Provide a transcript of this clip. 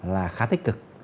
là khá tích cực